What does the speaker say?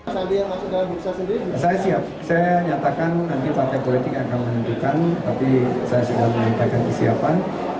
saya siap saya nyatakan nanti partai politik akan menentukan tapi saya sudah menaikkan kesiapan